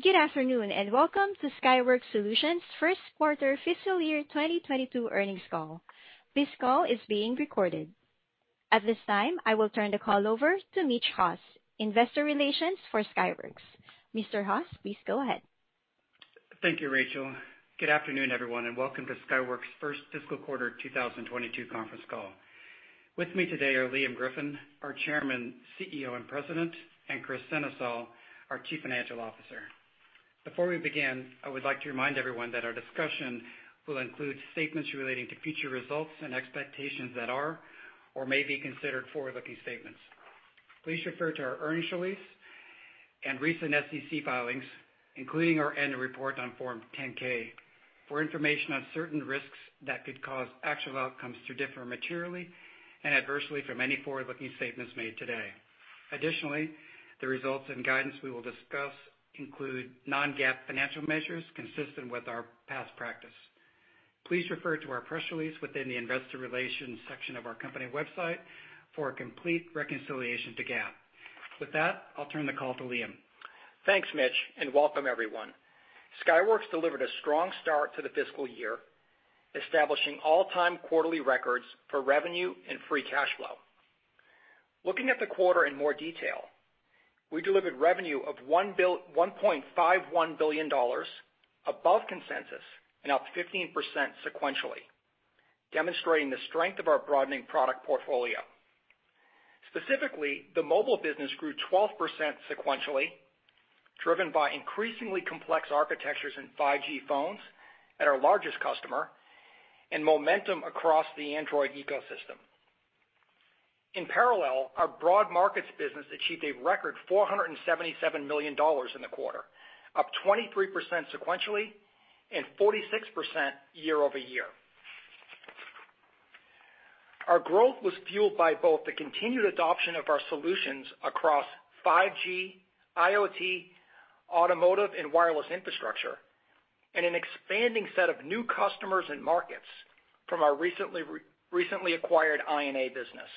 Good afternoon, and welcome to Skyworks Solutions' first quarter fiscal year 2022 earnings call. This call is being recorded. At this time, I will turn the call over to Mitch Haws, Investor Relations for Skyworks. Mr. Haws, please go ahead. Thank you, Rachel. Good afternoon, everyone, and welcome to Skyworks' first fiscal quarter 2022 conference call. With me today are Liam Griffin, our Chairman, CEO, and President, and Kris Sennesael, our Chief Financial Officer. Before we begin, I would like to remind everyone that our discussion will include statements relating to future results and expectations that are or may be considered forward-looking statements. Please refer to our earnings release and recent SEC filings, including our annual report on Form 10-K, for information on certain risks that could cause actual outcomes to differ materially and adversely from any forward-looking statements made today. Additionally, the results and guidance we will discuss include non-GAAP financial measures consistent with our past practice. Please refer to our press release within the investor relations section of our company website for a complete reconciliation to GAAP. With that, I'll turn the call to Liam. Thanks, Mitch, and welcome everyone. Skyworks delivered a strong start to the fiscal year, establishing all-time quarterly records for revenue and free cash flow. Looking at the quarter in more detail, we delivered revenue of $1.51 billion above consensus and up 15% sequentially, demonstrating the strength of our broadening product portfolio. Specifically, the mobile business grew 12% sequentially, driven by increasingly complex architectures in 5G phones at our largest customer and momentum across the Android ecosystem. In parallel, our broad markets business achieved a record $477 million in the quarter, up 23% sequentially and 46% year-over-year. Our growth was fueled by both the continued adoption of our solutions across 5G, IoT, automotive, and wireless infrastructure and an expanding set of new customers and markets from our recently acquired I&A business.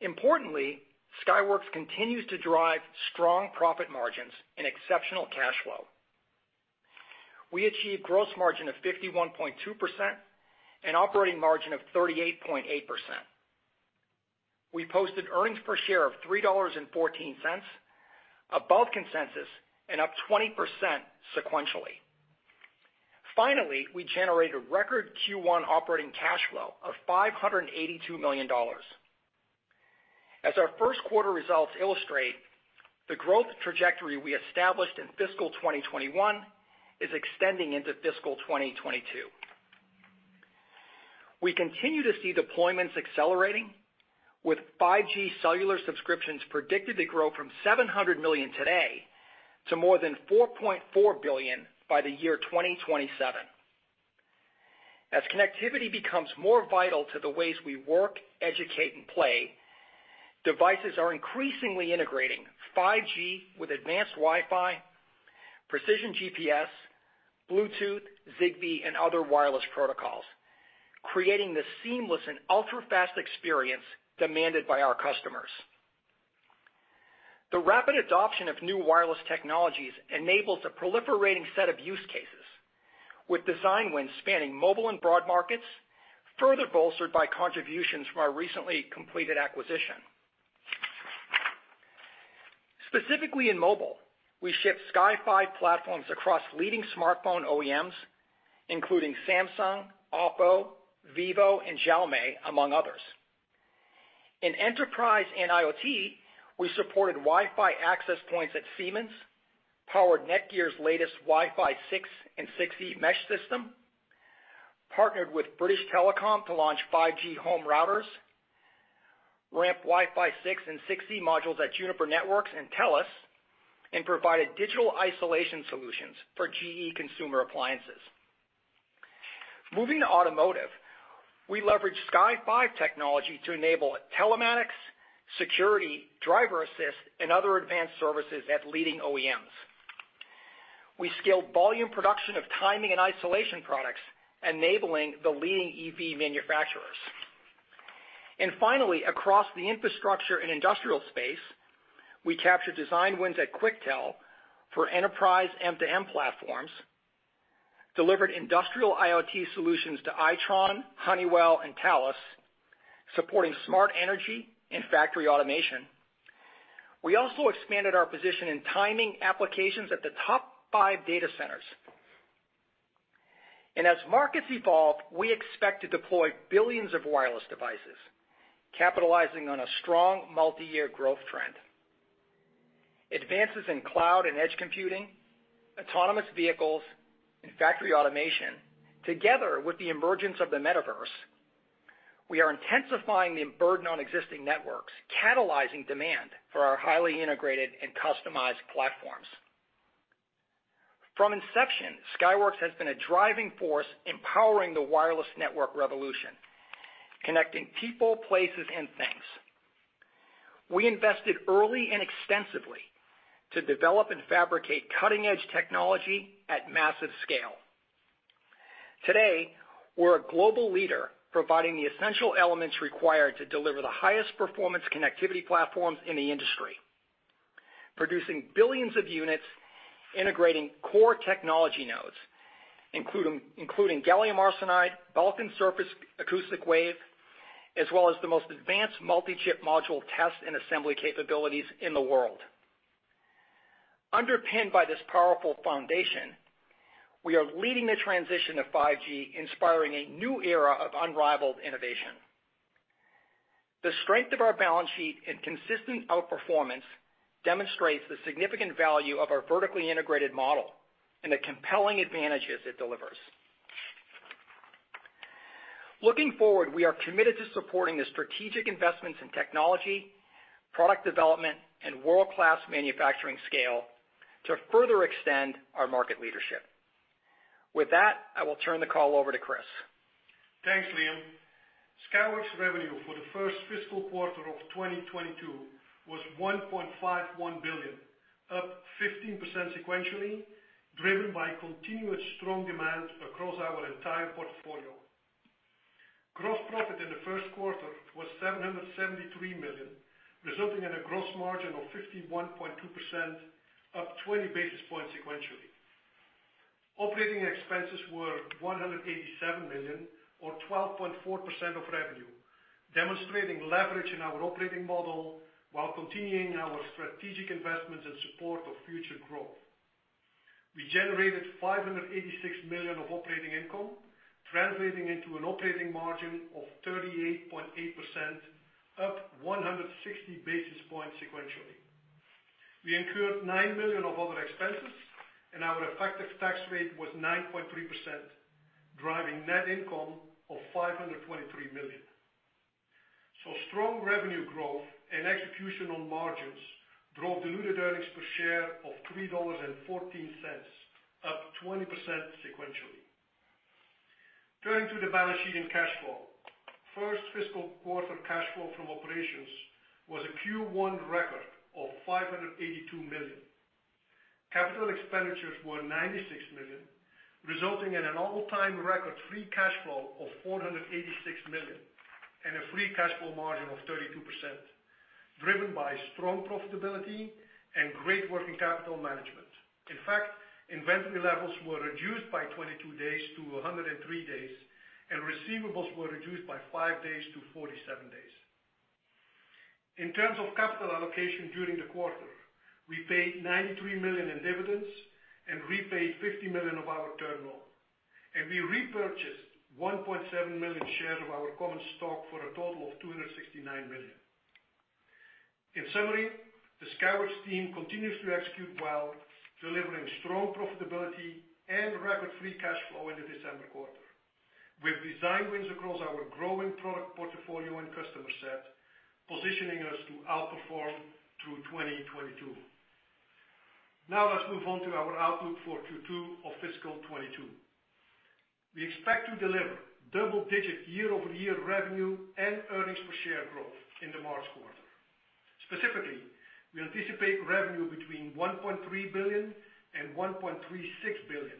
Importantly, Skyworks continues to drive strong profit margins and exceptional cash flow. We achieved gross margin of 51.2% and operating margin of 38.8%. We posted earnings per share of $3.14, above consensus and up 20% sequentially. Finally, we generated record Q1 operating cash flow of $582 million. As our first quarter results illustrate, the growth trajectory we established in fiscal 2021 is extending into fiscal 2022. We continue to see deployments accelerating, with 5G cellular subscriptions predicted to grow from 700 million today to more than 4.4 billion by the year 2027. As connectivity becomes more vital to the ways we work, educate, and play, devices are increasingly integrating 5G with advanced Wi-Fi, precision GPS, Bluetooth, Zigbee, and other wireless protocols, creating the seamless and ultra-fast experience demanded by our customers. The rapid adoption of new wireless technologies enables a proliferating set of use cases with design wins spanning mobile and broad markets, further bolstered by contributions from our recently completed acquisition. Specifically, in mobile, we ship Sky5 platforms across leading smartphone OEMs, including Samsung, Oppo, Vivo, and Xiaomi, among others. In enterprise and IoT, we supported Wi-Fi access points at Siemens, powered NETGEAR's latest Wi-Fi 6 and 6E mesh system, partnered with British Telecom to launch 5G home routers, ramp Wi-Fi 6 and 6E modules at Juniper Networks and TELUS, and provided digital isolation solutions for GE consumer appliances. Moving to automotive, we leverage Sky5 technology to enable telematics, security, driver assist, and other advanced services at leading OEMs. We scaled volume production of timing and isolation products, enabling the leading EV manufacturers. Finally, across the infrastructure and industrial space, we captured design wins at Quectel for enterprise M2M platforms, delivered industrial IoT solutions to Itron, Honeywell and Taoglas, supporting smart energy and factory automation. We also expanded our position in timing applications at the top five data centers. As markets evolve, we expect to deploy billions of wireless devices, capitalizing on a strong multi-year growth trend. Advances in cloud and edge computing, autonomous vehicles and factory automation, together with the emergence of the Metaverse are intensifying the burden on existing networks, catalyzing demand for our highly integrated and customized platforms. From inception, Skyworks has been a driving force empowering the wireless network revolution, connecting people, places, and things. We invested early and extensively to develop and fabricate cutting-edge technology at massive scale. Today, we're a global leader providing the essential elements required to deliver the highest performance connectivity platforms in the industry, producing billions of units, integrating core technology nodes, including gallium arsenide, bulk and surface acoustic wave, as well as the most advanced multi-chip module test and assembly capabilities in the world. Underpinned by this powerful foundation, we are leading the transition to 5G, inspiring a new era of unrivaled innovation. The strength of our balance sheet and consistent outperformance demonstrates the significant value of our vertically integrated model and the compelling advantages it delivers. Looking forward, we are committed to supporting the strategic investments in technology, product development, and world-class manufacturing scale to further extend our market leadership. With that, I will turn the call over to Kris. Thanks, Liam. Skyworks' revenue for the first fiscal quarter of 2022 was $1.51 billion, up 15% sequentially, driven by continuous strong demand across our entire portfolio. Gross profit in the first quarter was $773 million, resulting in a gross margin of 51.2%, up 20 basis points sequentially. Operating expenses were $187 million or 12.4% of revenue, demonstrating leverage in our operating model while continuing our strategic investments in support of future growth. We generated $586 million of operating income, translating into an operating margin of 38.8%, up 160 basis points sequentially. We incurred $9 million of other expenses and our effective tax rate was 9.3%, driving net income of $523 million. Strong revenue growth and execution on margins drove diluted earnings per share of $3.14, up 20% sequentially. Turning to the balance sheet and cash flow. First fiscal quarter cash flow from operations was a Q1 record of $582 million. Capital expenditures were $96 million, resulting in an all-time record free cash flow of $486 million and a free cash flow margin of 32%, driven by strong profitability and great working capital management. In fact, inventory levels were reduced by 22 days to 103 days, and receivables were reduced by 5 days to 47 days. In terms of capital allocation during the quarter, we paid $93 million in dividends and repaid $50 million of our term loan. We repurchased 1.7 million shares of our common stock for a total of $269 million. In summary, the Skyworks team continues to execute well, delivering strong profitability and record free cash flow in the December quarter. With design wins across our growing product portfolio and customer set, positioning us to outperform through 2022. Now let's move on to our outlook for Q2 of fiscal 2022. We expect to deliver double-digit year-over-year revenue and earnings per share growth in the March quarter. Specifically, we anticipate revenue between $1.3 billion and $1.36 billion.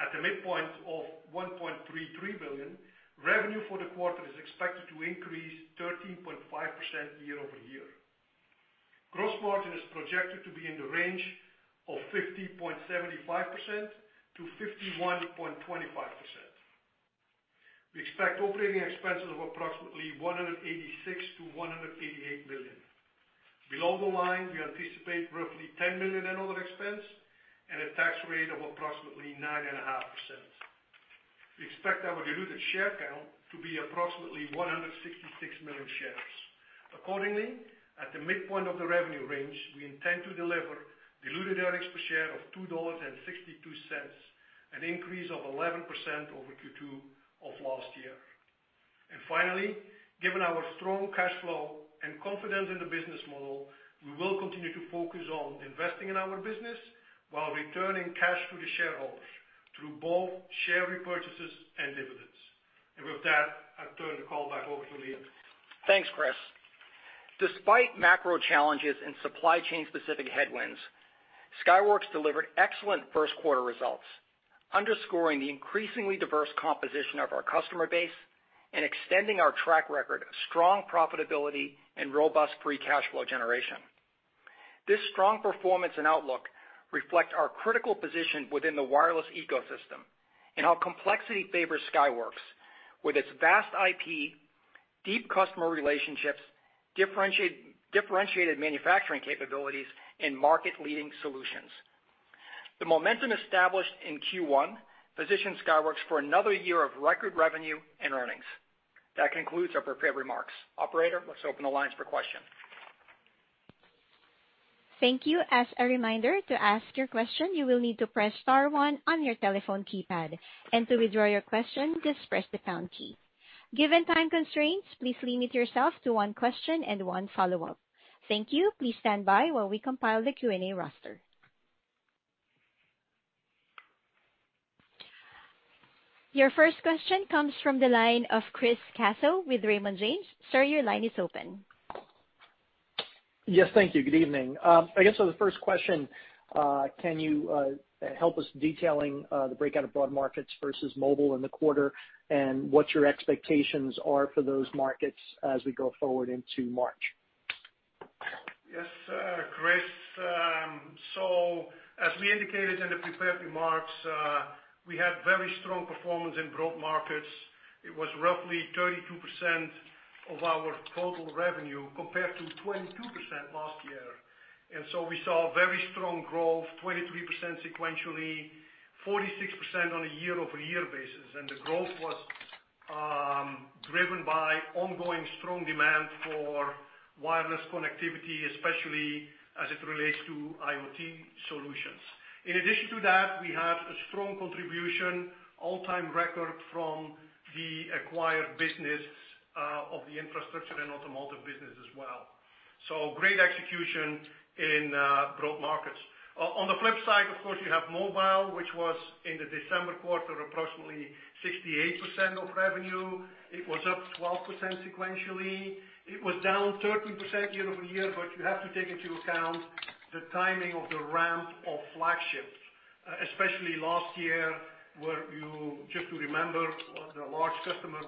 At the midpoint of $1.33 billion, revenue for the quarter is expected to increase 13.5% year-over-year. Gross margin is projected to be in the range of 50.75%-51.25%. We expect operating expenses of approximately $186 million-$188 million. Below the line, we anticipate roughly $10 million in other expense and a tax rate of approximately 9.5%. We expect our diluted share count to be approximately 166 million shares. Accordingly, at the midpoint of the revenue range, we intend to deliver diluted earnings per share of $2.62, an increase of 11% over Q2 of last year. Finally, given our strong cash flow and confidence in the business model, we will continue to focus on investing in our business while returning cash to the shareholders through both share repurchases and dividends. With that, I turn the call back over to Liam. Thanks, Kris. Despite macro challenges and supply chain specific headwinds, Skyworks delivered excellent first quarter results, underscoring the increasingly diverse composition of our customer base and extending our track record of strong profitability and robust free cash flow generation. This strong performance and outlook reflect our critical position within the wireless ecosystem and how complexity favors Skyworks with its vast IP, deep customer relationships, differentiated manufacturing capabilities, and market-leading solutions. The momentum established in Q1 positions Skyworks for another year of record revenue and earnings. That concludes our prepared remarks. Operator, let's open the lines for questions. Thank you. As a reminder, to ask your question, you will need to press star one on your telephone keypad. To withdraw your question, just press the pound key. Given time constraints, please limit yourself to one question and one follow-up. Thank you. Please stand by while we compile the Q&A roster. Your first question comes from the line of Chris Caso with Raymond James. Sir, your line is open. Yes, thank you. Good evening. I guess the first question, can you help us detailing the breakdown of broad markets versus mobile in the quarter, and what your expectations are for those markets as we go forward into March? Yes, Chris. As we indicated in the prepared remarks, we had very strong performance in broad markets. It was roughly 32% of our total revenue compared to 22% last year. We saw very strong growth, 23% sequentially, 46% on a year-over-year basis. The growth was driven by ongoing strong demand for wireless connectivity, especially as it relates to IoT solutions. In addition to that, we had a strong, all-time record contribution from the acquired business of the Infrastructure and Automotive business as well. Great execution in broad markets. On the flip side, of course, you have mobile, which was, in the December quarter, approximately 68% of revenue. It was up 12% sequentially. It was down 13% year-over-year, but you have to take into account the timing of the ramp of flagships, especially last year, where you, just to remember, the large customer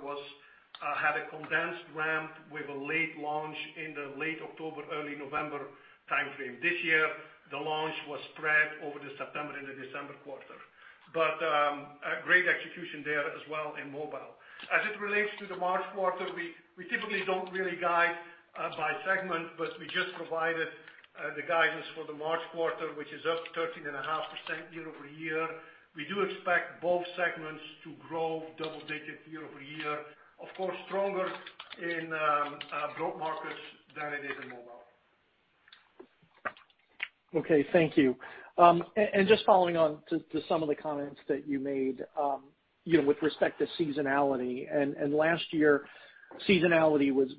had a condensed ramp with a late launch in the late October, early November timeframe. This year, the launch was spread over the September and the December quarter. A great execution there as well in mobile. As it relates to the March quarter, we typically don't really guide by segment, but we just provided the guidance for the March quarter, which is up 13.5% year-over-year. We do expect both segments to grow double digits year-over-year. Of course, stronger in broad markets than it is in mobile. Okay, thank you. Just following on to some of the comments that you made, you know, with respect to seasonality, and last year, seasonality was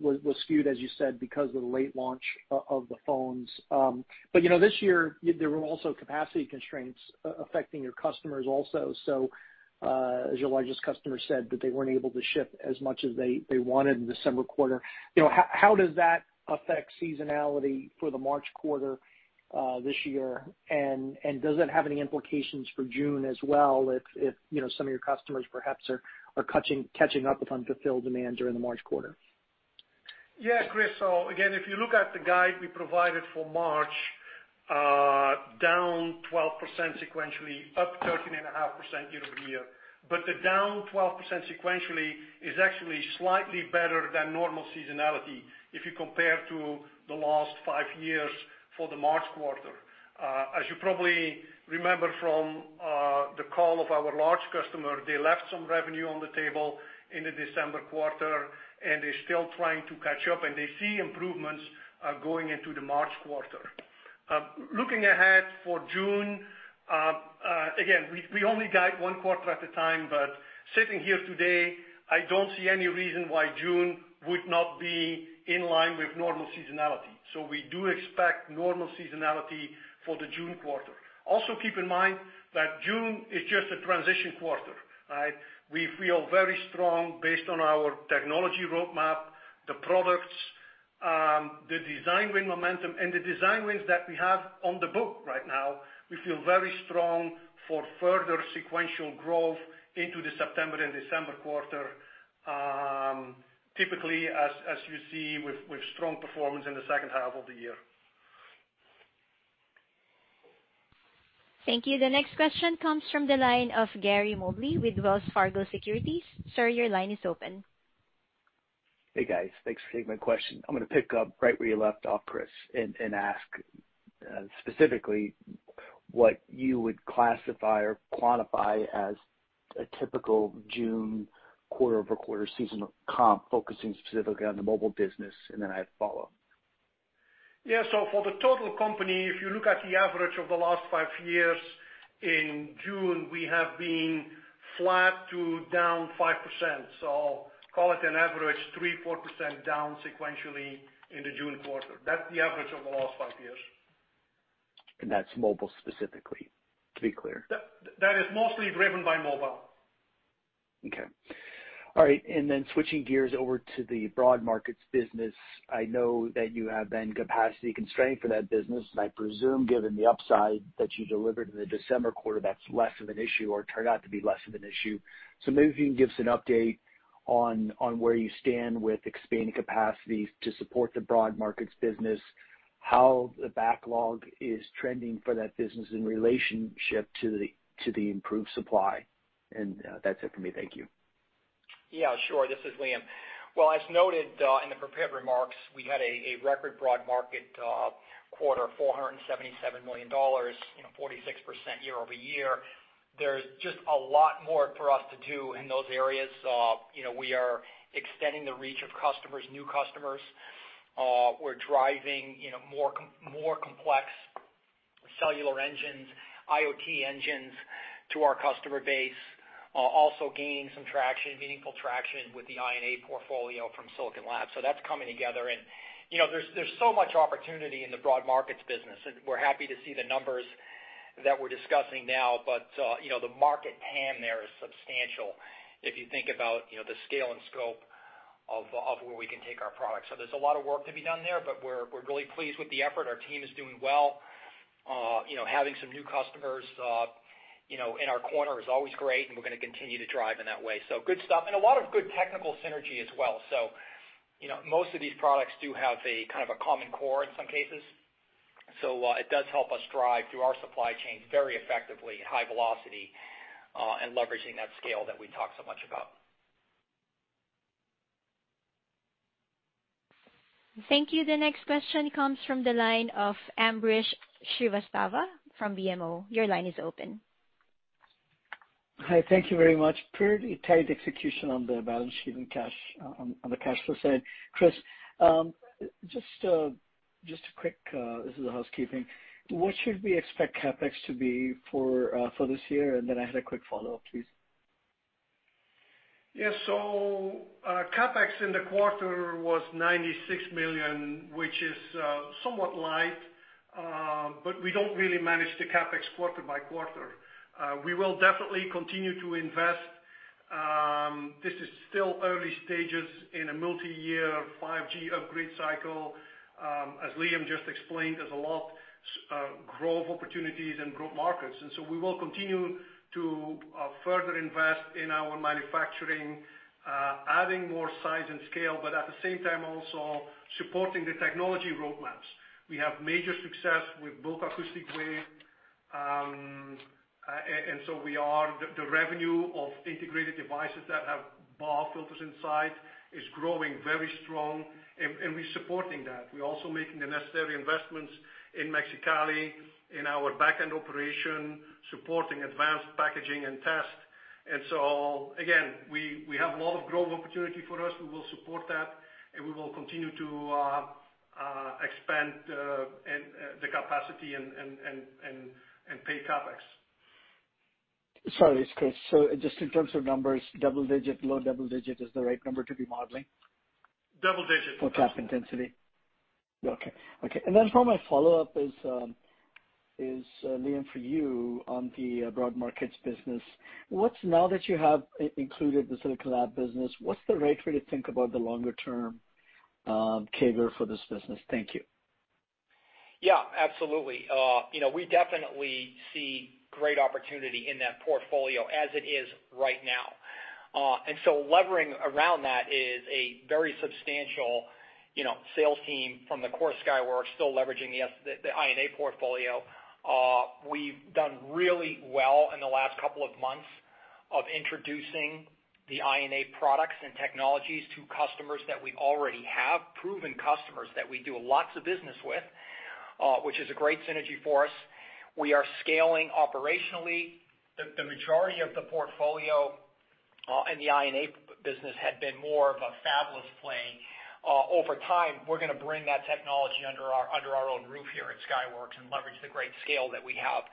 skewed, as you said, because of the late launch of the phones. But, you know, this year, there were also capacity constraints affecting your customers also. As your largest customer said that they weren't able to ship as much as they wanted in the December quarter. You know, how does that affect seasonality for the March quarter, this year? And does that have any implications for June as well, if, you know, some of your customers perhaps are catching up with unfulfilled demand during the March quarter? Yeah, Chris. Again, if you look at the guide we provided for March, down 12% sequentially, up 13.5% year-over-year. The down 12% sequentially is actually slightly better than normal seasonality if you compare to the last 5 years for the March quarter. As you probably remember from the call of our large customer, they left some revenue on the table in the December quarter, and they're still trying to catch up, and they see improvements going into the March quarter. Looking ahead for June, again, we only guide one quarter at a time, but sitting here today, I don't see any reason why June would not be in line with normal seasonality. We do expect normal seasonality for the June quarter. Also, keep in mind that June is just a transition quarter, right? We feel very strong based on our technology roadmap, the products, the design win momentum, and the design wins that we have on the book right now. We feel very strong for further sequential growth into the September and December quarter, typically, as you see with strong performance in the second half of the year. Thank you. The next question comes from the line of Gary Mobley with Wells Fargo Securities. Sir, your line is open. Hey, guys. Thanks for taking my question. I'm gonna pick up right where you left off, Kris, and ask specifically what you would classify or quantify as a typical June quarter-over-quarter seasonal comp, focusing specifically on the mobile business, and then I have follow-up. Yeah. For the total company, if you look at the average of the last five years, in June, we have been flat to down 5%. Call it an average 3%-4% down sequentially in the June quarter. That's the average of the last five years. That's mobile specifically, to be clear. That is mostly driven by mobile. Okay. All right. Switching gears over to the broad markets business, I know that you have been capacity constrained for that business, and I presume, given the upside that you delivered in the December quarter, that's less of an issue or turned out to be less of an issue. Maybe if you can give us an update on where you stand with expanding capacity to support the broad markets business, how the backlog is trending for that business in relationship to the improved supply. That's it for me. Thank you. Yeah, sure. This is Liam. Well, as noted in the prepared remarks, we had a record broad market quarter, $477 million, you know, 46% year-over-year. There's just a lot more for us to do in those areas. You know, we are extending the reach of customers, new customers. We're driving, you know, more complex cellular engines, IoT engines to our customer base. Also gaining some traction, meaningful traction with the INA portfolio from Silicon Labs. So that's coming together. You know, there's so much opportunity in the broad markets business, and we're happy to see the numbers that we're discussing now, but you know, the market TAM there is substantial if you think about, you know, the scale and scope of where we can take our products. There's a lot of work to be done there, but we're really pleased with the effort. Our team is doing well. You know, having some new customers, you know, in our corner is always great, and we're gonna continue to drive in that way. Good stuff. A lot of good technical synergy as well. You know, most of these products do have a kind of a common core in some cases, so it does help us drive through our supply chain very effectively at high velocity, and leveraging that scale that we talk so much about. Thank you. The next question comes from the line of Ambrish Srivastava from BMO. Your line is open. Hi, thank you very much. Pretty tight execution on the balance sheet and cash on the cash flow side. Kris, just a quick housekeeping. What should we expect CapEx to be for this year? I had a quick follow-up, please. CapEx in the quarter was $96 million, which is somewhat light. We don't really manage the CapEx quarter by quarter. We will definitely continue to invest. This is still early stages in a multiyear 5G upgrade cycle. As Liam just explained, there's a lot of growth opportunities and growth markets. We will continue to further invest in our manufacturing, adding more size and scale, but at the same time also supporting the technology roadmaps. We have major success with bulk acoustic wave, and the revenue of integrated devices that have BAW filters inside is growing very strong, and we're supporting that. We're also making the necessary investments in Mexicali, in our backend operation, supporting advanced packaging and test. Again, we have a lot of growth opportunity for us. We will support that, and we will continue to expand the capacity and pay CapEx. Sorry, Kris. Just in terms of numbers, double digit, low double digit is the right number to be modeling? double digit. For CapEx intensity. Okay. My follow-up is, Liam, for you on the Broad Markets business. Now that you have included the Silicon Labs business, what's the right way to think about the longer term CAGR for this business? Thank you. Yeah, absolutely. You know, we definitely see great opportunity in that portfolio as it is right now. Levering around that is a very substantial, you know, sales team from the core Skyworks, still leveraging the I&A portfolio. We've done really well in the last couple of months of introducing the I&A products and technologies to customers that we already have, proven customers that we do lots of business with, which is a great synergy for us. We are scaling operationally. The majority of the portfolio in the I&A business had been more of a fabless play. Over time, we're gonna bring that technology under our own roof here at Skyworks and leverage the great scale that we have.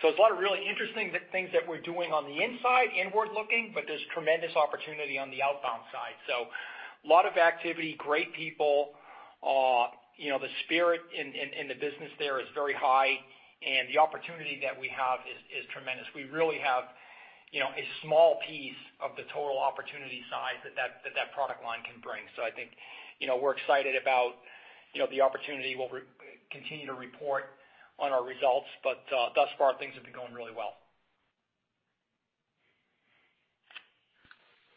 There's a lot of really interesting things that we're doing on the inside, inward-looking, but there's tremendous opportunity on the outbound side. A lot of activity, great people. You know, the spirit in the business there is very high, and the opportunity that we have is tremendous. We really have, you know, a small piece of the total opportunity size that product line can bring. I think, you know, we're excited about, you know, the opportunity. We'll continue to report on our results, but thus far, things have been going really well.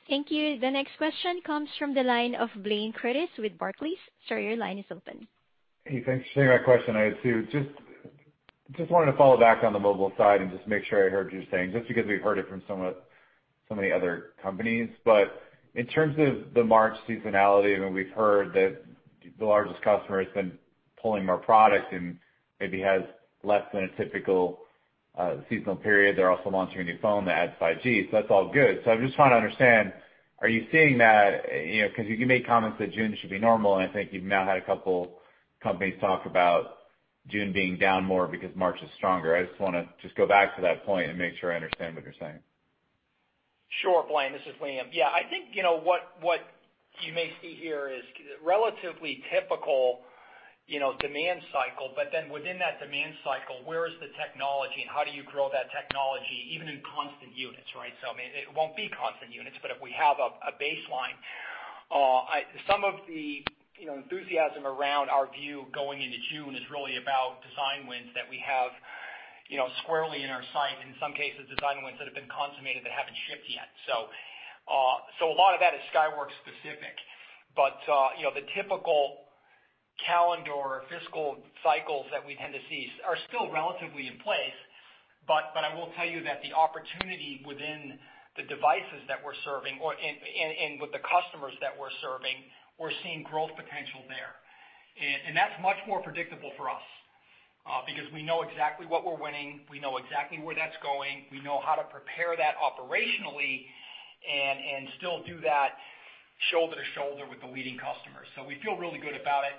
Thank you. The next question comes from the line of Blayne Curtis with Barclays. Sir, your line is open. Hey, thanks for taking my question. I had two. Just wanted to follow back on the mobile side and just make sure I heard you saying, just because we've heard it from so many other companies. In terms of the March seasonality, I mean, we've heard that the largest customer has been pulling more product and maybe has less than a typical seasonal period. They're also launching a new phone that adds 5G, that's all good. I'm just trying to understand, are you seeing that, you know, 'cause you can make comments that June should be normal, and I think you've now had a couple companies talk about June being down more because March is stronger. I just wanna go back to that point and make sure I understand what you're saying. Sure, Blayne. This is Liam. Yeah. I think, you know, what you may see here is relatively typical, you know, demand cycle, but then within that demand cycle, where is the technology and how do you grow that technology even in constant units, right? I mean, it won't be constant units, but if we have a baseline, some of the, you know, enthusiasm around our view going into June is really about design wins that we have, you know, squarely in our sight, and in some cases, design wins that have been consummated that haven't shipped yet. A lot of that is Skyworks specific. You know, the typical calendar or fiscal cycles that we tend to see are still relatively in place, but I will tell you that the opportunity within the devices that we're serving and with the customers that we're serving, we're seeing growth potential there. That's much more predictable for us, because we know exactly what we're winning. We know exactly where that's going. We know how to prepare that operationally and still do that shoulder to shoulder with the leading customers. We feel really good about it.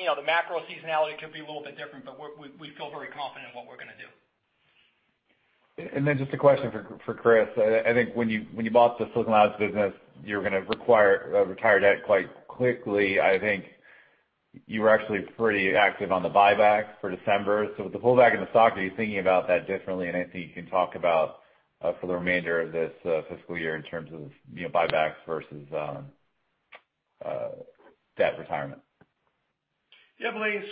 You know, the macro seasonality could be a little bit different, but we feel very confident in what we're gonna do. Then just a question for Kris. I think when you bought the Silicon Labs business, you were gonna retire debt quite quickly. I think you were actually pretty active on the buyback for December. With the pullback in the stock, are you thinking about that differently? Anything you can talk about for the remainder of this fiscal year in terms of, you know, buybacks versus debt retirement. Yeah, Blayne.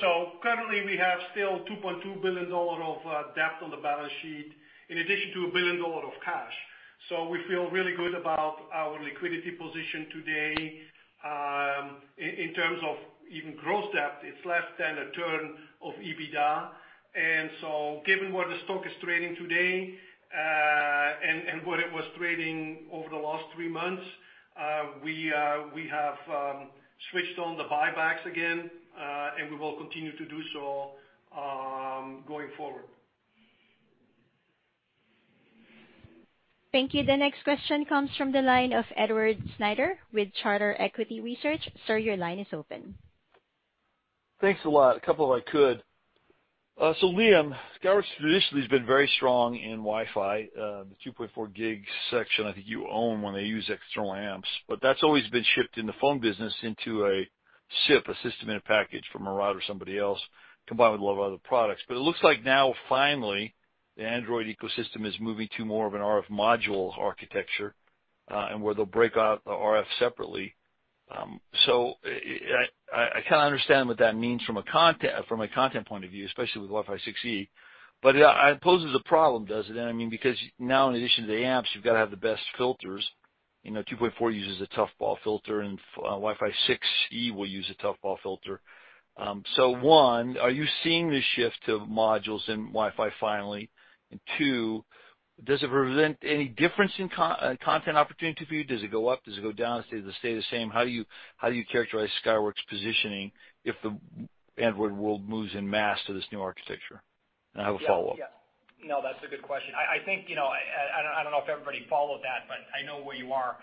Currently, we have still $2.2 billion of debt on the balance sheet in addition to $1 billion of cash. We feel really good about our liquidity position today. In terms of even gross debt, it's less than 1x EBITDA. Given where the stock is trading today, and where it was trading over the last three months, we have switched on the buybacks again, and we will continue to do so going forward. Thank you. The next question comes from the line of Edward Snyder with Charter Equity Research. Sir, your line is open. Thanks a lot. A couple if I could. Liam, Skyworks traditionally has been very strong in Wi-Fi, the 2.4 GHz section I think you own when they use external amps. That's always been shipped in the phone business into a SIP, a system in a package from Murata or somebody else, combined with a lot of other products. It looks like now finally, the Android ecosystem is moving to more of an RF module architecture, and where they'll break out the RF separately. I kinda understand what that means from a content point of view, especially with Wi-Fi 6E, but it poses a problem, does it? I mean, because now in addition to the amps, you've gotta have the best filters. You know, 2.4 uses a tough BAW filter, and Wi-Fi 6E will use a tough BAW filter. One, are you seeing the shift to modules in Wi-Fi finally? Two, does it present any difference in content opportunity for you? Does it go up? Does it go down? Does it stay the same? How do you characterize Skyworks' positioning if the Android world moves en masse to this new architecture? I have a follow-up. Yeah. Yeah. No, that's a good question. I think, you know, and I don't know if everybody followed that, but I know where you are.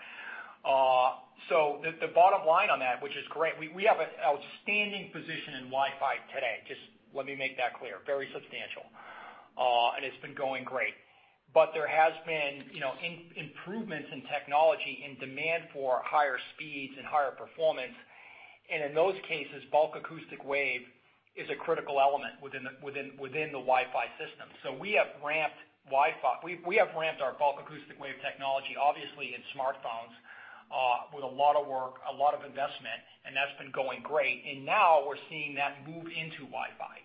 The bottom line on that, which is great, we have an outstanding position in Wi-Fi today. Just let me make that clear, very substantial. It's been going great. There has been, you know, improvements in technology and demand for higher speeds and higher performance. In those cases, bulk acoustic wave is a critical element within the Wi-Fi system. We have ramped our bulk acoustic wave technology, obviously in smartphones, with a lot of work, a lot of investment, and that's been going great. Now we're seeing that move into Wi-Fi.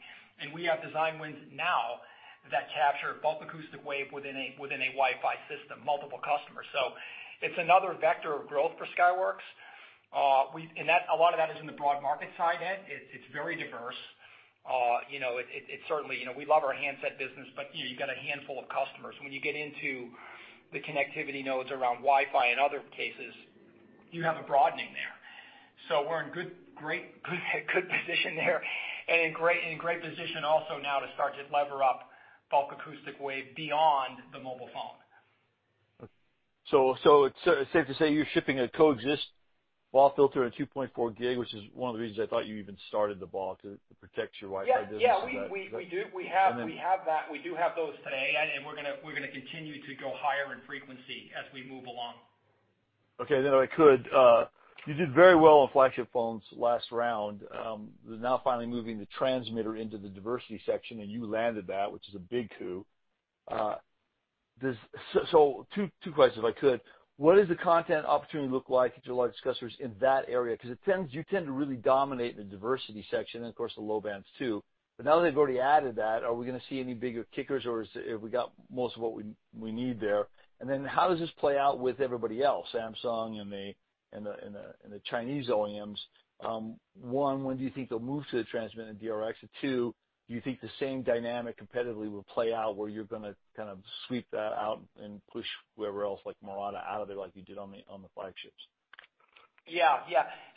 We have design wins now that capture bulk acoustic wave within a Wi-Fi system, multiple customers. It's another vector of growth for Skyworks. That, a lot of that is in the broad market side, Ed. It's very diverse. You know, it certainly, you know, we love our handset business, but, you know, you've got a handful of customers. When you get into the connectivity nodes around Wi-Fi and other cases, you have a broadening there. We're in great position there and in great position also now to start to lever up bulk acoustic wave beyond the mobile phone. It's safe to say you're shipping a coexist BAW filter at 2.4 GHz, which is one of the reasons I thought you even started the BAW to protect your Wi-Fi business. Is that? Yeah, yeah. We do. And then- We have that. We do have those today, and we're gonna continue to go higher in frequency as we move along. Okay, if I could, you did very well on flagship phones last round. They're now finally moving the transmitter into the diversity section, and you landed that, which is a big coup. Two questions, if I could. What does the content opportunity look like to your large customers in that area? 'Cause you tend to really dominate in the diversity section and, of course, the low bands too. Now that they've already added that, are we gonna see any bigger kickers, or have we got most of what we need there? Then how does this play out with everybody else, Samsung and the Chinese OEMs? One, when do you think they'll move to the transmitter DRx? Two, do you think the same dynamic competitively will play out where you're gonna kinda sweep that out and push whoever else, like Murata, out of it like you did on the flagships?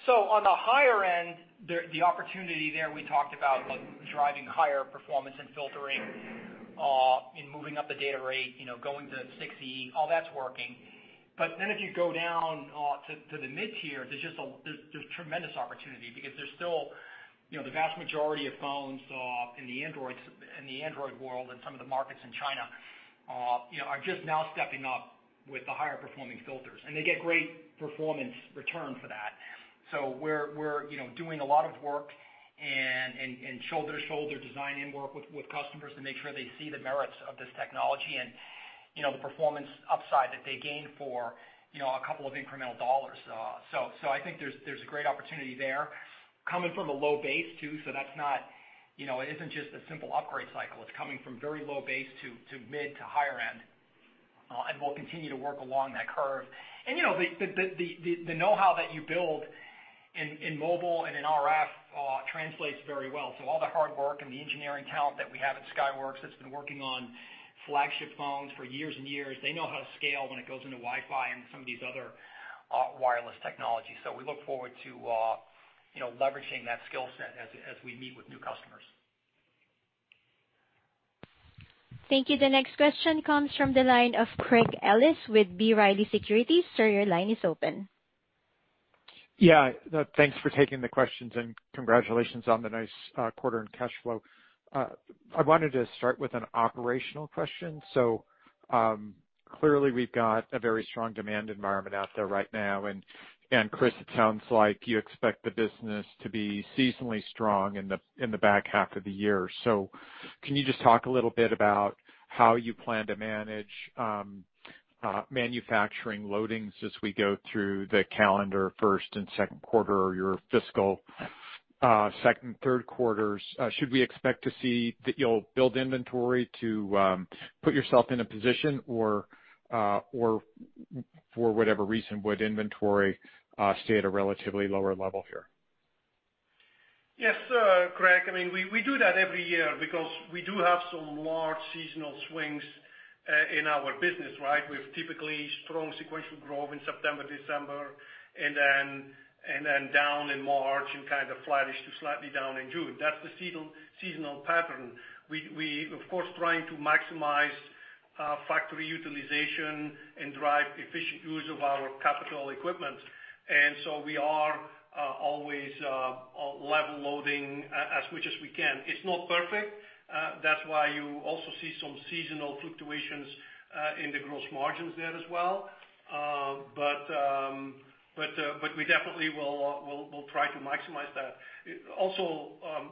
On the higher end, the opportunity there we talked about, like, driving higher performance and filtering, and moving up the data rate, you know, going to 6E, all that's working. But then if you go down to the mid-tier, there's tremendous opportunity because there's still, you know, the vast majority of phones in the Android world and some of the markets in China, you know, are just now stepping up with the higher performing filters. And they get great performance return for that. We're, you know, doing a lot of work and shoulder-to-shoulder designing work with customers to make sure they see the merits of this technology and, you know, the performance upside that they gain for, you know, a couple of incremental dollars. I think there's a great opportunity there coming from a low base too, so that's not, you know, it isn't just a simple upgrade cycle. It's coming from very low base to mid to higher end. We'll continue to work along that curve. You know, the know-how that you build in mobile and in RF translates very well. All the hard work and the engineering talent that we have at Skyworks that's been working on flagship phones for years and years, they know how to scale when it goes into Wi-Fi and some of these other wireless technologies. We look forward to, you know, leveraging that skill set as we meet with new customers. Thank you. The next question comes from the line of Craig Ellis with B. Riley Securities. Sir, your line is open. Yeah. Thanks for taking the questions and congratulations on the nice quarter and cash flow. I wanted to start with an operational question. Clearly we've got a very strong demand environment out there right now, and Kris, it sounds like you expect the business to be seasonally strong in the back half of the year. Can you just talk a little bit about how you plan to manage manufacturing loadings as we go through the calendar first and second quarter or your fiscal second, third quarters? Should we expect to see that you'll build inventory to put yourself in a position or for whatever reason, would inventory stay at a relatively lower level here? Yes, Craig. I mean, we do that every year because we do have some large seasonal swings in our business, right? We have typically strong sequential growth in September, December, and then down in March and kind of flattish to slightly down in June. That's the seasonal pattern. We are of course trying to maximize factory utilization and drive efficient use of our capital equipment. We are always level loading as much as we can. It's not perfect. That's why you also see some seasonal fluctuations in the gross margins there as well. But we definitely will try to maximize that. Also,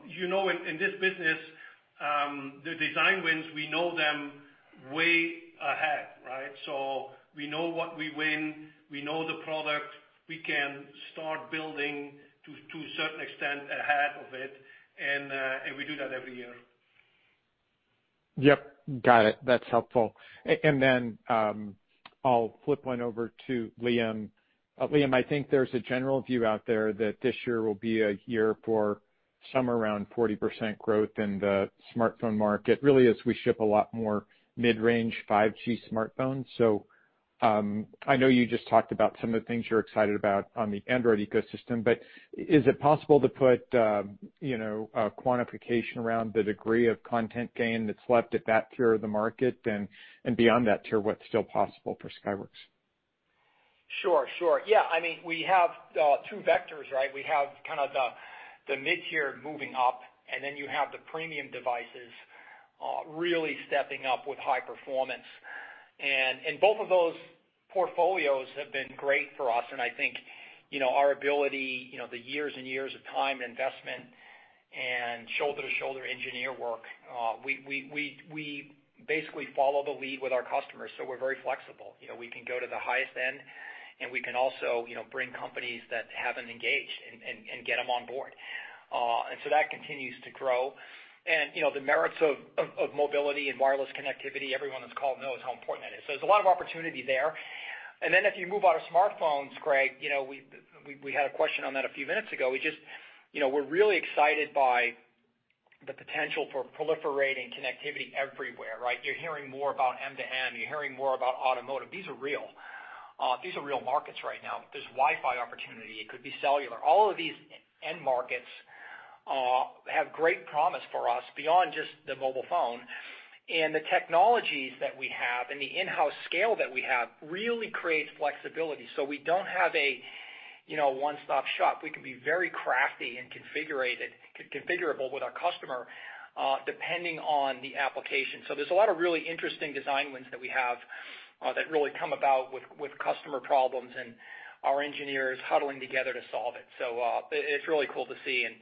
you know, in this business, the design wins, we know them way ahead, right? We know what we win, we know the product, we can start building to a certain extent ahead of it, and we do that every year. Yep, got it. That's helpful. I'll flip one over to Liam. Liam, I think there's a general view out there that this year will be a year for somewhere around 40% growth in the smartphone market really as we ship a lot more mid-range 5G smartphones. I know you just talked about some of the things you're excited about on the Android ecosystem, but is it possible to put, you know, a quantification around the degree of content gain that's left at that tier of the market and beyond that tier what's still possible for Skyworks? Sure. Sure. Yeah. I mean, we have two vectors, right? We have kind of the mid-tier moving up, and then you have the premium devices really stepping up with high performance. Both of those portfolios have been great for us. I think, you know, our ability, you know, the years and years of time and investment and shoulder-to-shoulder engineer work, we basically follow the lead with our customers, so we're very flexible. You know, we can go to the highest end and we can also, you know, bring companies that haven't engaged and get them on board. That continues to grow. You know, the merits of mobility and wireless connectivity, everyone on this call knows how important that is. There's a lot of opportunity there. If you move out of smartphones, Craig, you know, we had a question on that a few minutes ago. We just, you know, we're really excited by the potential for proliferating connectivity everywhere, right? You're hearing more about M2M, you're hearing more about automotive. These are real markets right now. There's Wi-Fi opportunity, it could be cellular. All of these end markets have great promise for us beyond just the mobile phone. The technologies that we have and the in-house scale that we have really creates flexibility. We don't have a, you know, one-stop shop. We can be very crafty and configurable with our customer depending on the application. There's a lot of really interesting design wins that we have, that really come about with customer problems and our engineers huddling together to solve it. It's really cool to see, and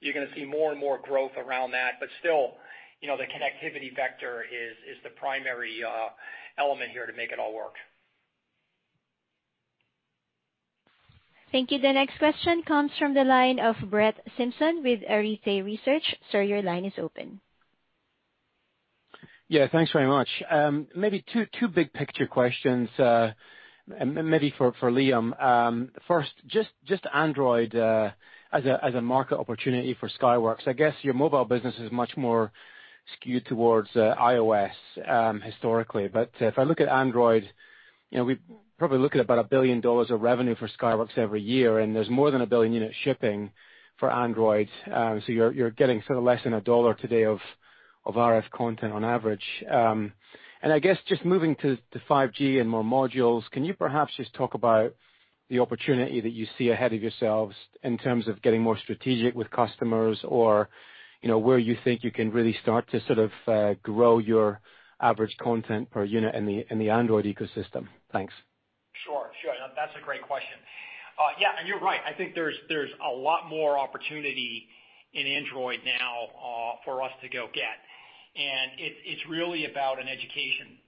you're gonna see more and more growth around that. Still, you know, the connectivity vector is the primary element here to make it all work. Thank you. The next question comes from the line of Brett Simpson with Arete Research. Sir, your line is open. Yeah, thanks very much. Maybe two big picture questions for Liam. First, just Android as a market opportunity for Skyworks. I guess your mobile business is much more skewed towards iOS historically. If I look at Android, you know, we probably look at about $1 billion of revenue for Skyworks every year, and there's more than 1 billion units shipping for Android. You're getting sort of less than $1 today of RF content on average. I guess just moving to 5G and more modules, can you perhaps just talk about the opportunity that you see ahead of yourselves in terms of getting more strategic with customers or, you know, where you think you can really start to sort of grow your average content per unit in the Android ecosystem? Thanks. Sure. That's a great question. Yeah, you're right. I think there's a lot more opportunity in Android now, for us to go get. It's really about an education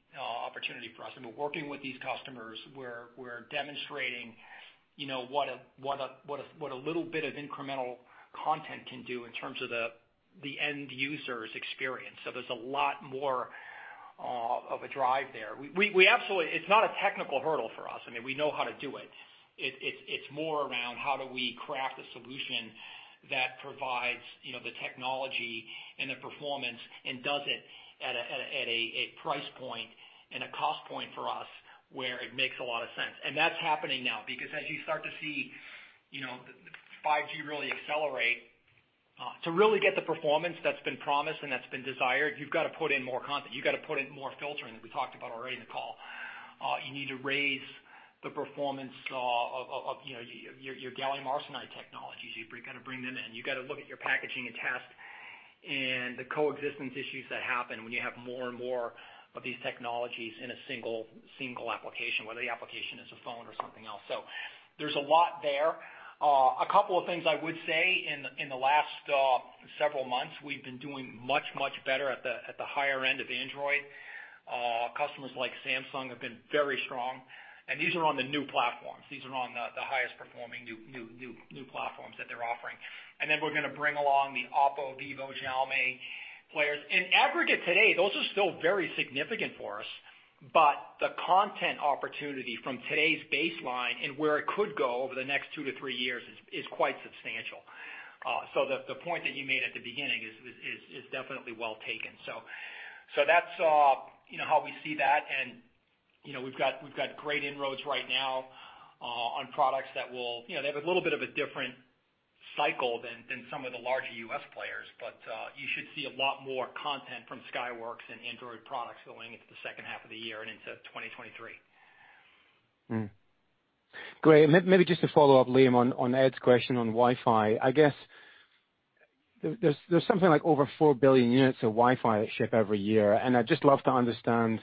opportunity for us. We're working with these customers. We're demonstrating, you know, what a little bit of incremental content can do in terms of the end user's experience. There's a lot more of a drive there. We absolutely. It's not a technical hurdle for us. I mean, we know how to do it. It's more around how do we craft a solution that provides, you know, the technology and the performance and does it at a price point and a cost point for us where it makes a lot of sense. That's happening now because as you start to see, you know, 5G really accelerate to really get the performance that's been promised and that's been desired, you've gotta put in more content. You've gotta put in more filtering, that we talked about already in the call. You need to raise the performance of, you know, your gallium arsenide technologies. You've gotta bring them in. You gotta look at your packaging and test and the coexistence issues that happen when you have more and more of these technologies in a single application, whether the application is a phone or something else. There's a lot there. A couple of things I would say, in the last several months, we've been doing much better at the higher end of Android. Customers like Samsung have been very strong, and these are on the new platforms. These are on the highest performing new platforms that they're offering. We're gonna bring along the Oppo, Vivo, Xiaomi players. In aggregate today, those are still very significant for us, but the content opportunity from today's baseline and where it could go over the next two to three years is quite substantial. The point that you made at the beginning is definitely well taken. That's, you know, how we see that. You know, we've got great inroads right now on products that will... You know, they have a little bit of a different cycle than some of the larger U.S. players, but you should see a lot more content from Skyworks and Android products going into the second half of the year and into 2023. Maybe just to follow up, Liam, on Ed's question on Wi-Fi. I guess there's something like over 4 billion units of Wi-Fi that ship every year, and I'd just love to understand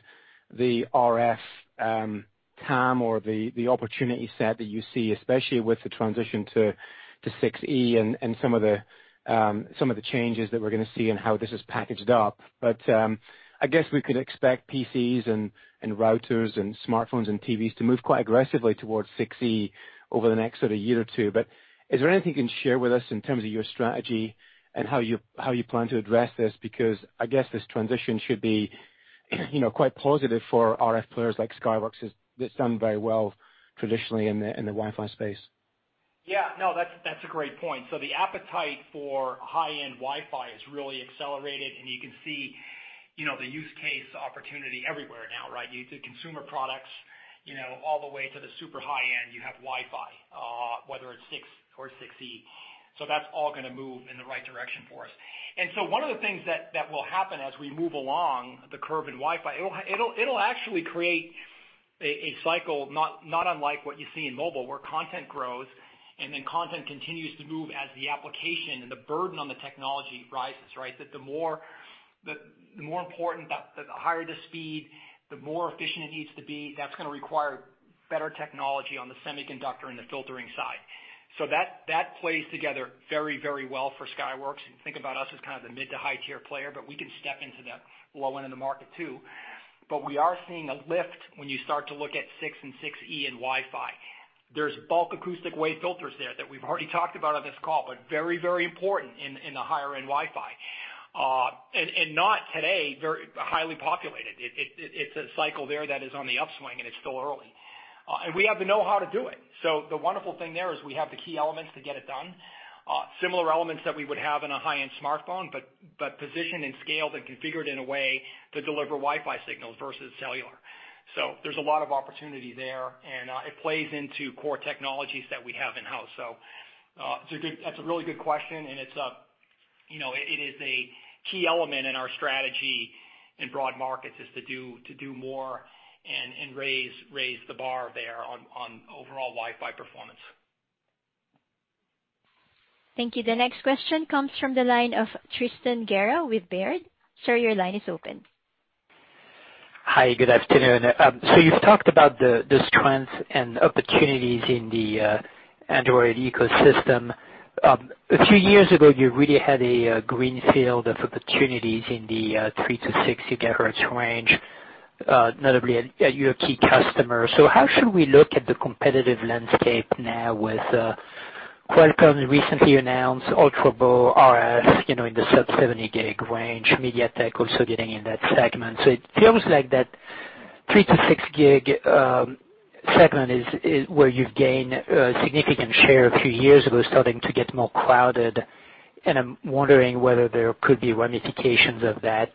the RF TAM or the opportunity set that you see, especially with the transition to 6E and some of the changes that we're gonna see in how this is packaged up. I guess we could expect PCs and routers and smartphones and TVs to move quite aggressively towards 6E over the next sort of year or two. Is there anything you can share with us in terms of your strategy and how you plan to address this? Because I guess this transition should be, you know, quite positive for RF players like Skyworks that's done very well traditionally in the, in the Wi-Fi space. Yeah. No, that's a great point. The appetite for high-end Wi-Fi has really accelerated, and you can see, you know, the use case opportunity everywhere now, right? You do consumer products, you know, all the way to the super high-end, you have Wi-Fi, whether it's 6 or 6E. That's all gonna move in the right direction for us. One of the things that will happen as we move along the curve in Wi-Fi, it'll actually create a cycle not unlike what you see in mobile, where content grows and then content continues to move as the application and the burden on the technology rises, right? The more, the more important, the higher the speed, the more efficient it needs to be. That's gonna require better technology on the semiconductor and the filtering side. That plays together very, very well for Skyworks. You think about us as kind of the mid to high-tier player, but we can step into the low end of the market too. We are seeing a lift when you start to look at Wi-Fi 6 and 6E in Wi-Fi. There's bulk acoustic wave filters there that we've already talked about on this call, but very, very important in the higher-end Wi-Fi and not today very highly populated. It's a cycle there that is on the upswing, and it's still early. We have the know-how to do it. The wonderful thing there is we have the key elements to get it done. Similar elements that we would have in a high-end smartphone, but position and scale that configured in a way to deliver Wi-Fi signals versus cellular. There's a lot of opportunity there, and it plays into core technologies that we have in-house. That's a really good question, and it's a, you know. It is a key element in our strategy in broad markets to do more and raise the bar there on overall Wi-Fi performance. Thank you. The next question comes from the line of Tristan Gerra with Baird. Sir, your line is open. Hi, good afternoon. You've talked about the strengths and opportunities in the Android ecosystem. A few years ago, you really had a green field of opportunities in the 3-6 GHz range, notably at your key customer. How should we look at the competitive landscape now with Qualcomm's recently announced ultraBAW, you know, in the sub-7 GHz range, MediaTek also getting in that segment. It feels like that 3-6 GHz segment is where you've gained a significant share a few years ago, starting to get more clouded, and I'm wondering whether there could be ramifications of that,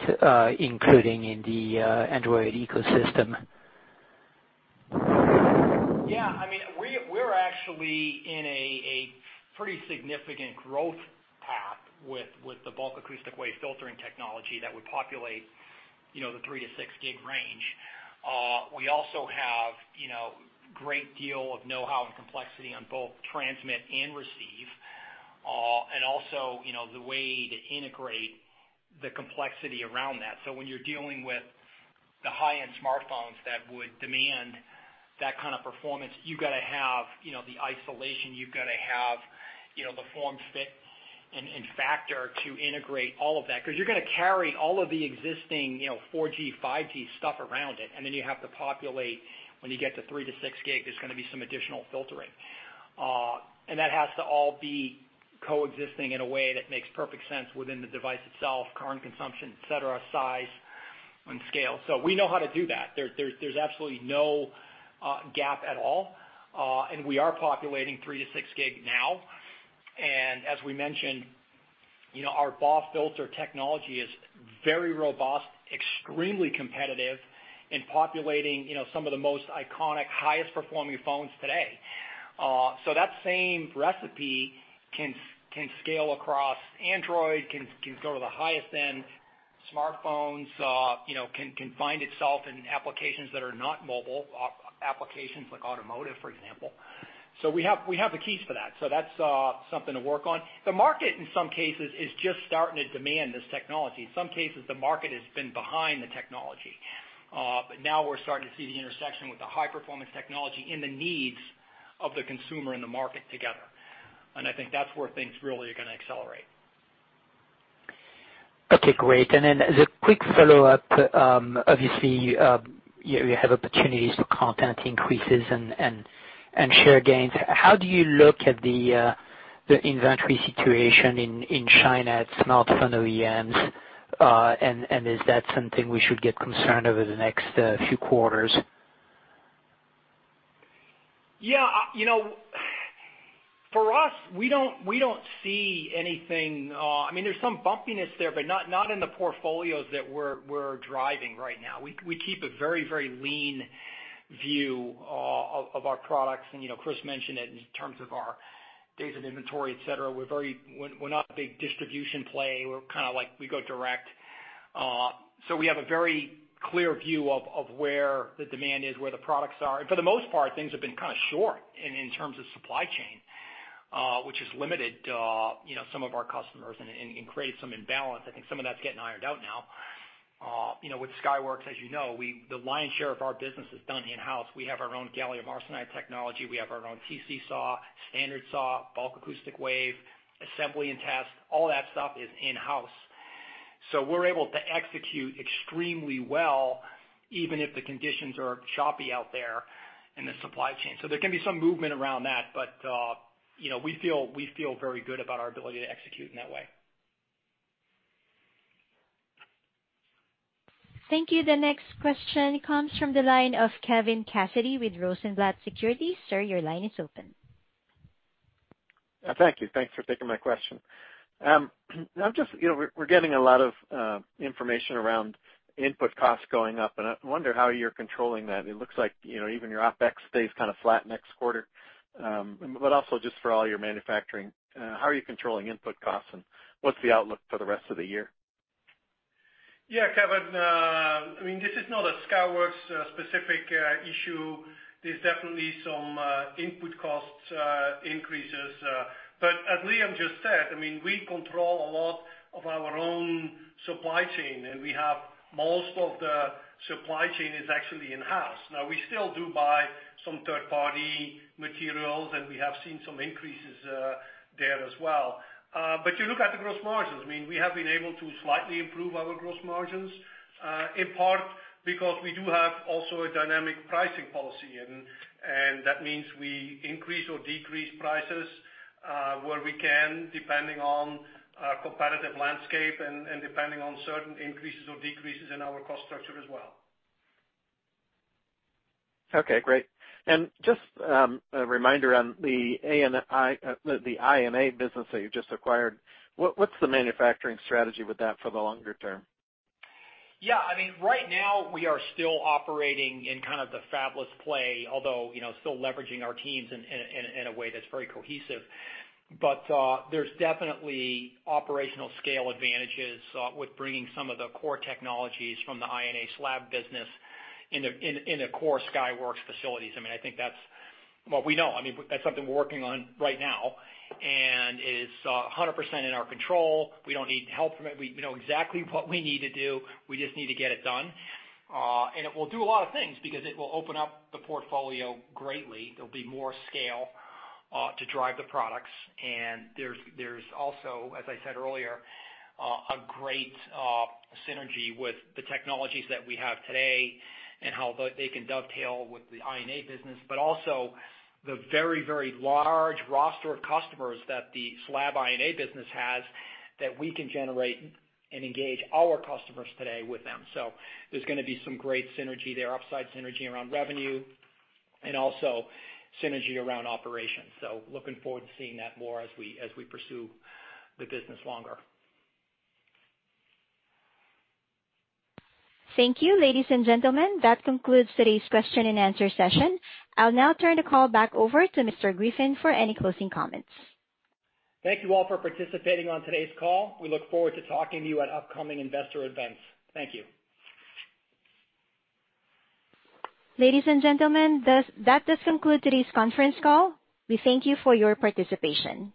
including in the Android ecosystem. Yeah. I mean, we're actually in a pretty significant growth path with the bulk acoustic wave filtering technology that would populate, you know, the 3-6 gig range. We also have, you know, great deal of know-how and complexity on both transmit and receive, and also, you know, the way to integrate the complexity around that. When you're dealing with the high-end smartphones that would demand that kind of performance, you've gotta have, you know, the isolation. You've gotta have, you know, the form fit and factor to integrate all of that. 'Cause you're gonna carry all of the existing, you know, 4G, 5G stuff around it, and then you have to populate. When you get to 3-6 gig, there's gonna be some additional filtering. That has to all be coexisting in a way that makes perfect sense within the device itself, current consumption, et cetera, size and scale. We know how to do that. There's absolutely no gap at all, and we are populating 3-6 GHz now. As we mentioned, you know, our BAW filter technology is very robust, extremely competitive in populating, you know, some of the most iconic, highest performing phones today. That same recipe can scale across Android, can go to the highest end smartphones, you know, can find itself in applications that are not mobile applications like automotive, for example. We have the keys for that. That's something to work on. The market in some cases is just starting to demand this technology. In some cases, the market has been behind the technology. Now we're starting to see the intersection with the high-performance technology and the needs of the consumer in the market together. I think that's where things really are gonna accelerate. Okay, great. As a quick follow-up, obviously, you have opportunities for content increases and share gains. How do you look at the inventory situation in China at smartphone OEMs, and is that something we should get concerned over the next few quarters? Yeah, you know, for us, we don't see anything. I mean, there's some bumpiness there, but not in the portfolios that we're driving right now. We keep a very lean view of our products. You know, Kris mentioned it in terms of our days of inventory, et cetera. We're not a big distribution play. We're kinda like, we go direct. We have a very clear view of where the demand is, where the products are. For the most part, things have been kinda short in terms of supply chain, which has limited, you know, some of our customers and created some imbalance. I think some of that's getting ironed out now. You know, with Skyworks, as you know, the lion's share of our business is done in-house. We have our own gallium arsenide technology. We have our own TC SAW, standard SAW, bulk acoustic wave, assembly and test, all that stuff is in-house. We're able to execute extremely well, even if the conditions are choppy out there in the supply chain. There can be some movement around that. You know, we feel very good about our ability to execute in that way. Thank you. The next question comes from the line of Kevin Cassidy with Rosenblatt Securities. Sir, your line is open. Thank you. Thanks for taking my question. I'm just, you know, we're getting a lot of information around input costs going up, and I wonder how you're controlling that. It looks like, you know, even your OpEx stays kinda flat next quarter. Also just for all your manufacturing, how are you controlling input costs, and what's the outlook for the rest of the year? Yeah, Kevin, I mean, this is not a Skyworks specific issue. There's definitely some input costs increases. As Liam just said, I mean, we control a lot of our own supply chain, and most of the supply chain is actually in-house. Now, we still do buy some third-party materials, and we have seen some increases there as well. You look at the gross margins. I mean, we have been able to slightly improve our gross margins in part because we do have also a dynamic pricing policy, and that means we increase or decrease prices where we can, depending on our competitive landscape and depending on certain increases or decreases in our cost structure as well. Okay, great. Just a reminder on the I&A business that you just acquired. What's the manufacturing strategy with that for the longer term? Yeah, I mean, right now we are still operating in kind of the fabless play, although, you know, still leveraging our teams in a way that's very cohesive. There's definitely operational scale advantages with bringing some of the core technologies from the I&A SLAB business in a core Skyworks facilities. I mean, I think that's what we know. I mean, that's something we're working on right now, and it's 100% in our control. We don't need help from it. We know exactly what we need to do. We just need to get it done. It will do a lot of things because it will open up the portfolio greatly. There'll be more scale to drive the products. There's also, as I said earlier, a great synergy with the technologies that we have today and how they can dovetail with the I&A business, but also the very, very large roster of customers that the SLAB I&A business has that we can generate and engage our customers today with them. There's gonna be some great synergy there, upside synergy around revenue, and also synergy around operations. Looking forward to seeing that more as we pursue the business longer. Thank you, ladies and gentlemen. That concludes today's question-and-answer session. I'll now turn the call back over to Mr. Griffin for any closing comments. Thank you all for participating on today's call. We look forward to talking to you at upcoming investor events. Thank you. Ladies and gentlemen, that does conclude today's conference call. We thank you for your participation.